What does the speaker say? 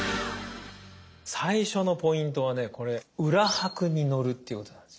最初のポイントはねこれ裏拍に乗るっていうことなんです。